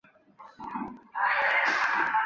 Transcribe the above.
伊塔茹是巴西圣保罗州的一个市镇。